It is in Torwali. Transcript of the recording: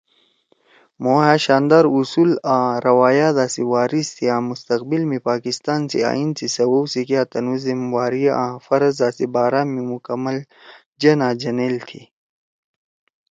مھو ہأ شاندار اصول آں روایاتا سی وارِث تِھی آں مستقبل می پاکستان سی ائین سی سوؤ سی کیا تُنُو زمہ واری آں فرضا سی بارا میں مکّمل جن آن جنیل تھی“